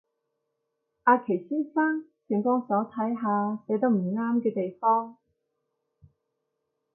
阿祁先生，請幫手睇下寫得唔啱嘅地方